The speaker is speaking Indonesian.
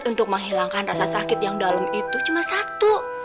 ngehilangkan rasa sakit yang dalem itu cuma satu